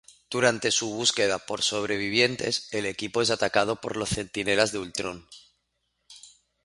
Durante su búsqueda por sobrevivientes, el equipo es atacado por los Centinelas de Ultron.